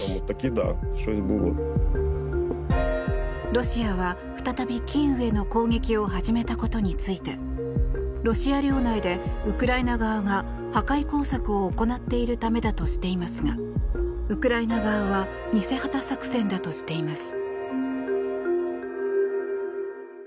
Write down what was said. ロシアは再びキーウへの攻撃を始めたことについてロシア領内でウクライナ側が破壊工作を行っているためだとしていますがウクライナ側は偽旗作戦だとしています。